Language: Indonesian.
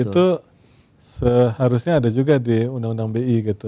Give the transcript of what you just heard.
itu seharusnya ada juga di undang undang bi gitu